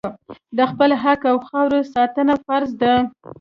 د خپل حق او خاورې ساتنه فرض ده.